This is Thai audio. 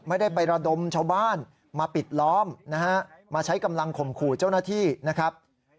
ไม่ได้ไประดมชาวบ้านมาปิดล้อมนะฮะมาใช้กำลังข่มขู่เจ้าหน้าที่นะครับ